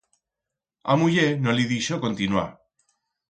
A muller no li deixó continuar.